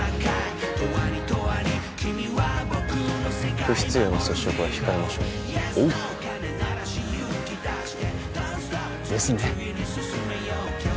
不必要な接触は控えましょうおうですね